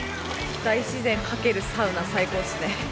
大自然掛けるサウナ、最高っすね。